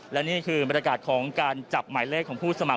และนี่คือบรรยากาศของการจับหมายเลขของผู้สมัคร